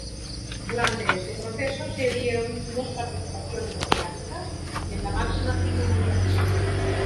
Durante este proceso se dieron dos participaciones oceánicas en la máxima cita mundialista.